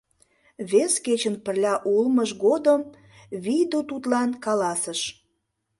Вес кечын пырля улмыж годым Вийду тудлан каласыш.